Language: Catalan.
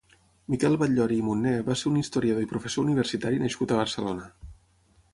Miquel Batllori i Munné va ser un historiador i professor universitari nascut a Barcelona.